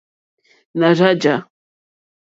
Nà rzá jǎ.